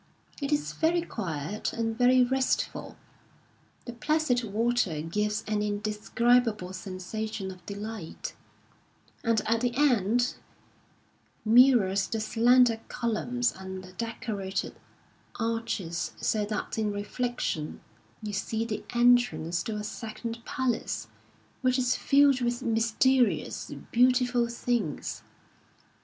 It is very quiet and very restful ; the placid water gives an indescribable sensation of delight, and at the end muTors the slender columns and the decorated arches so that in reflection you see the entrance to a second palace, which is filled with mysterious, beautiful things.